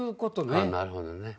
なるほどね。